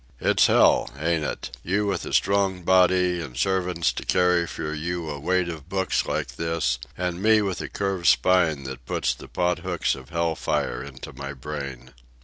"It's hell, ain't it?—you with a strong body and servants to carry for you a weight of books like this, and me with a curved spine that puts the pot hooks of hell fire into my brain?"